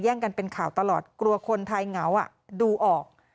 กันเป็นข่าวตลอดกลัวคนไทยเหงาดูออก